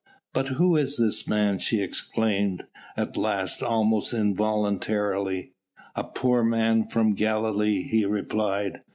"But who is this man?" she exclaimed at last, almost involuntarily. "A poor Man from Galilee," he replied.